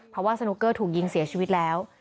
เพราะว่าสนุกเกอร์ถูกยิงเสียชีวิตแล้ว